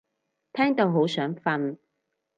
聽到好想瞓